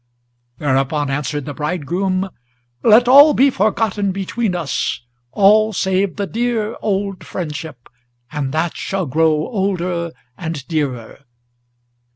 Thereupon answered the bridegroom: "Let all be forgotten between us, All save the dear, old friendship, and that shall grow older and dearer!"